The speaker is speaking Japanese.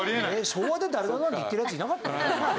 昭和でダルダルなんて言ってるヤツいなかったよ。